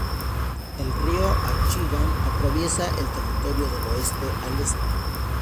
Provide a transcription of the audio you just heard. El río L’Achigan atraviesa el territorio del oeste al este.